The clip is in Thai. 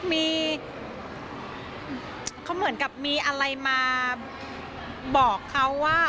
มีเขาเหมือนกับมีอะไรมาบอกเขาว่า